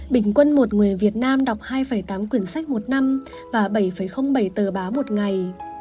bình quân một người việt nam đọc hai tám quyển sách một năm và bảy bảy tờ báo một ngày